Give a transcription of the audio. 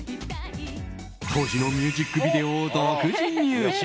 当時のミュージックビデオを独自入手。